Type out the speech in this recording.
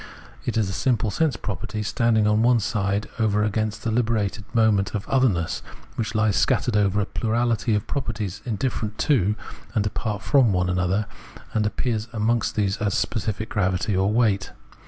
It is a simple sense property standing on the one side over against the liberated moment of otherness, which lies scattered over a plurality of properties indifferent_^to and apart Observation of Organic Nature 277 from one another, and appears amongst these as specific gravity or weight.